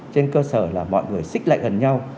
trên cơ sở là mọi người xích lại gần nhau